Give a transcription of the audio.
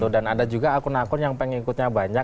dan ada juga akun akun yang pengen ikutnya banyak